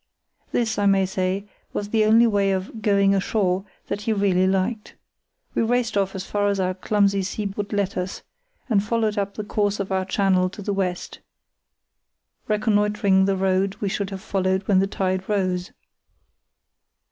This, I may say, was the only way of "going ashore" that he really liked. We raced off as fast as our clumsy sea boots would let us, and followed up the course of our channel to the west, reconnoitring the road we should have to follow when the tide rose.